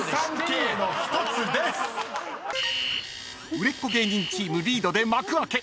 ［売れっ子芸人チームリードで幕開け！］